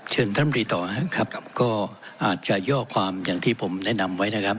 ท่านรีต่อนะครับก็อาจจะย่อความอย่างที่ผมแนะนำไว้นะครับ